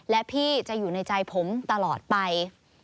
และพี่จะอยู่ในใจผมตลอดไป